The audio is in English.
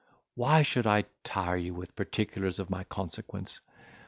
"Why should I tire you with particulars of my consequence?